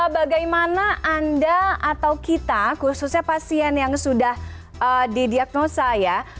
bagaimana anda atau kita khususnya pasien yang sudah didiagnosa ya